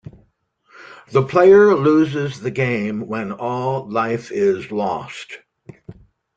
The player loses the game when all life is lost.